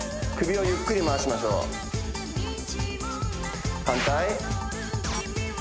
首をゆっくり回しましょう反対